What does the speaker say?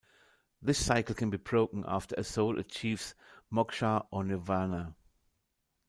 This cycle can be broken after a soul achieves "Moksha" or "Nirvana".